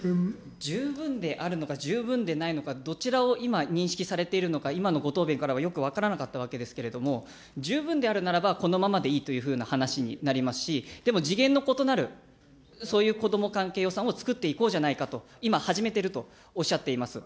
十分であるのか十分でないのか、どちらを今、認識されているのか、今のご答弁からは、よく分からなかったわけですけれども、十分であるならば、このままでいいというふうな話になりますし、でも次元の異なるそういう子ども関係予算をつくっていこうじゃないかと、今始めていると、おっしゃっています。